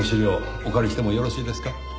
お借りしてもよろしいですか？